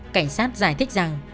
cảnh sát giải thích rằng